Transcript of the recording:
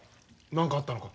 何かあったのか？